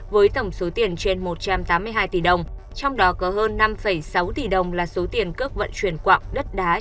với tổng số tiền trên một trăm tám mươi hai tỷ đồng trong đó có hơn năm sáu tỷ đồng là số tiền cướp vận chuyển quạng đất đá